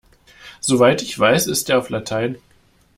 Soweit ich weiß ist er auf Latein.